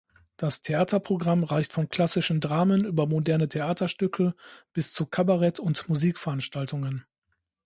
Das Theaterprogramm reicht von klassischen Dramen über moderne Theaterstücke bis zu Kabarett und Musikveranstaltungen.